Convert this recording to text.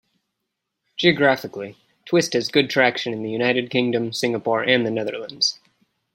Geographically Twist has good traction in the United Kingdom, Singapore and the Netherlands.